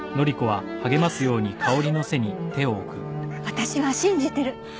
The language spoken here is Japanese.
私は信じてる。